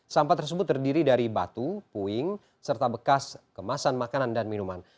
sampah tersebut terdiri dari batu puing serta bekas kemasan makanan dan minuman